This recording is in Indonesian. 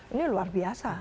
ini luar biasa